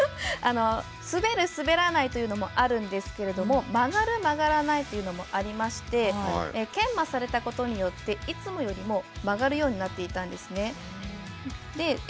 滑る、滑らないというのもあるんですが曲がる、曲がらないというのもありまして研磨されたことによっていつもよりも曲がるようになっていたんですね。